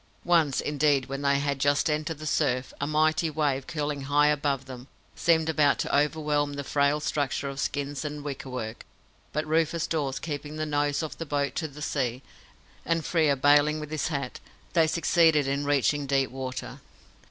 Once, indeed, when they had just entered the surf, a mighty wave, curling high above them, seemed about to overwhelm the frail structure of skins and wickerwork; but Rufus Dawes, keeping the nose of the boat to the sea, and Frere baling with his hat, they succeeded in reaching deep water.